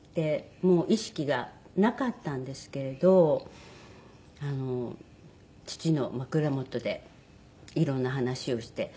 もう意識がなかったんですけれど父の枕元でいろんな話をして。